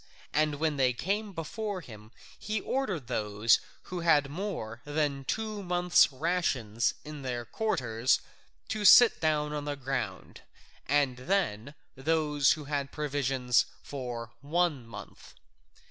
And when they came before him he ordered those who had more than two months' rations in their quarters to sit down on the ground, and then those who had provisions for one month.